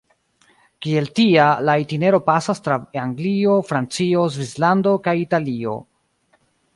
Kiel tia, la itinero pasas tra Anglio, Francio, Svislando kaj Italio.